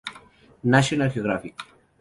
National Geographic.